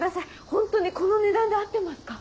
ホントにこの値段で合ってますか？